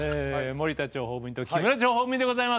森田諜報部員と木村諜報部員でございます。